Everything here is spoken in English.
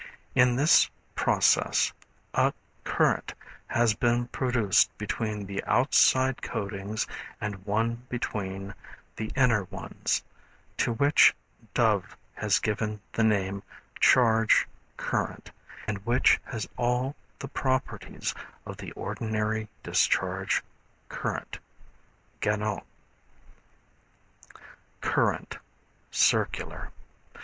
In this process a current has been produced between the outside coatings and one between the inner ones, to which Dove has given the name Charge Current, and which has all the properties of the ordinary discharge current. (Ganot.) Current, Circular.